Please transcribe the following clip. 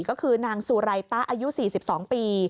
ก็คือนางสุไรตะอายุ๔๒ปี